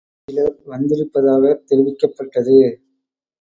சிலர் வந்திருப்பதாகத் தெரிவிக்கப்பட்டது.